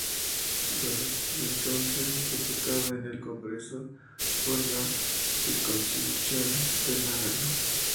Desde entonces es diputado en el Congreso por la circunscripción de Málaga.